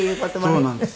そうなんです。